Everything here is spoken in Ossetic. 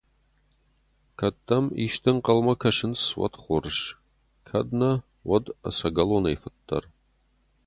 Кӕд дӕм исты ӕнхъӕлмӕ кӕсынц, уӕд хорз, кӕд нӕ, уӕд ӕцӕгӕлонӕй фыддӕр...